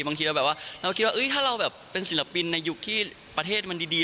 บางทีเราแบบว่าเราคิดว่าถ้าเราแบบเป็นศิลปินในยุคที่ประเทศมันดี